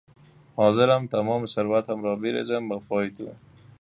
حاضرم تمام ثروتم را بریزم به پای تو